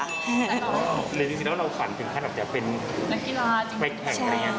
หรือจริงแล้วเราฝันถึงขั้นอาจจะเป็นแก๊กแข่งอะไรอย่างนี้